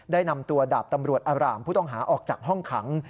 ได้นำตัวดาบตำรวจอารามผู้ต้องหาออกจากห้องขัง